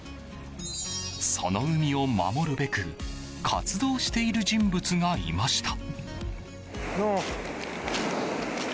その海を守るべく活動している人物がいました。